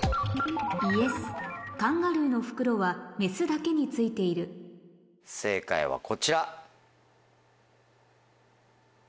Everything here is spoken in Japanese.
カンガルーの袋はメスだけについている正解はこちら。